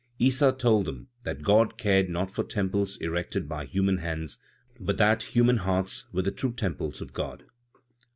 Issa told them that God cared not for temples erected by human hands, but that human hearts were the true temples of God.